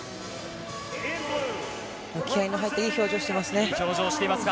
気合の入ったいい表情してますね。